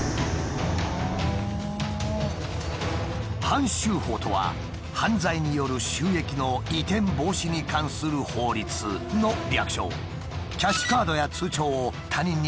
「犯収法」とは「犯罪による収益の移転防止に関する法律」の略称。